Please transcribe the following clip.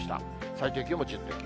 最低気温も１０．９。